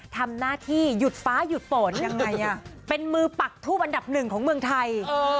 ทำหน้าที่หยุดฟ้าหยุดฝนยังไงเป็นมือปักทูบอันดับหนึ่งของเมืองไทย